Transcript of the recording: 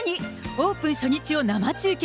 オープン初日を生中継。